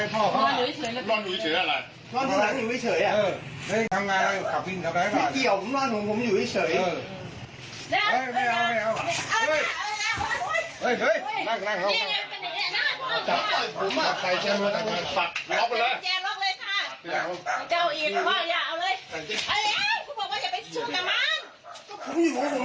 ผมอยู่ผมไม่เฉยมายุ่งอะไรกับผม